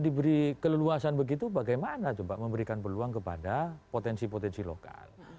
diberi keleluasan begitu bagaimana coba memberikan peluang kepada potensi potensi lokal